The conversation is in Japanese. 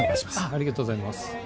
ありがとうございます